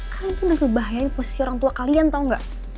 kalian tuh udah ngebahayain posisi orang tua kalian tau gak